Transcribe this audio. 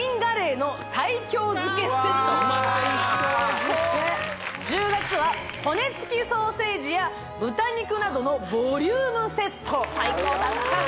うまそうやな１０月は骨付きソーセージや豚肉などのボリュームセット・最高だなさあ